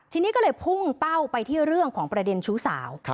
ทีนี้ก็เลยพุ่งเป้าไปที่เรื่องของประเด็นชู้สาว